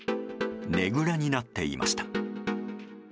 ねぐらになっていました。